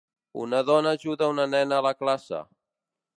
Una dona ajuda una nena a la classe.